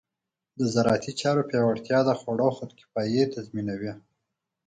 د زراعتي چارو پیاوړتیا د خوړو خودکفایي تضمینوي.